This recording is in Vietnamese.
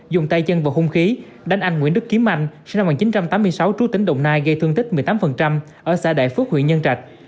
dùng tay chân và hung khí đánh anh nguyễn đức kiếm anh sinh năm một nghìn chín trăm tám mươi sáu trú tỉnh đồng nai gây thương tích một mươi tám ở xã đại phước huyện nhân trạch